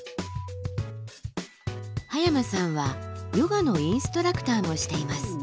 羽山さんはヨガのインストラクターもしています。